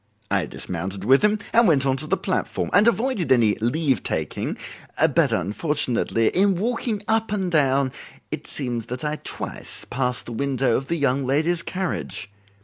I dismounted with him and went on to the platform, and avoided any leave taking; but unfortunately in walking up and down it seems that I twice passed the window of the young lady's carriage.